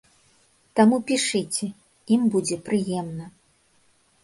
Таму пішыце, ім будзе прыемна.